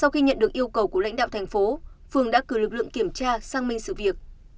thành phố phường đã cử lực lượng kiểm tra xăng minh sự việc